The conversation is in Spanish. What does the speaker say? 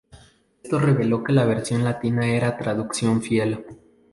Esto reveló que la versión latina era traducción fiel.